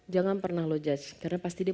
jangan pernah low judge karena pasti dia